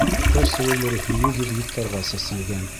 Шәкәр сөгөлдөрө һигеҙ йөҙ гектарға сәселгән.